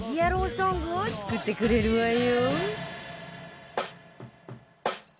ソングを作ってくれるわよ